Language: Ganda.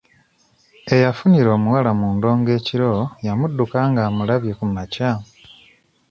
Eyafunira omuwala mu ndongo ekiro yamudduka ng'amulabye ku makya.